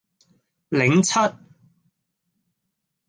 檸七